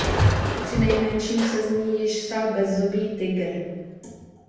Přinejmenším se z ní již stal bezzubý tygr.